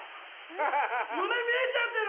胸見えちゃってる？